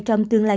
trong tương lai